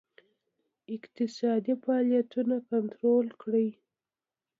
اقتصادي فعالیتونه کنټرول کړي.